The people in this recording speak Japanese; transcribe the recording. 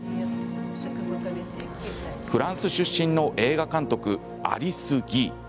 フランス出身の映画監督アリス・ギイ。